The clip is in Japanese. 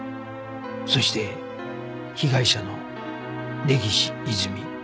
そして被害者の根岸いずみ